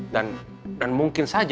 dan dan mungkin saja